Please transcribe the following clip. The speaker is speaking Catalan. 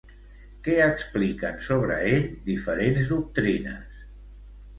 Què expliquen sobre ell diferents doctrines?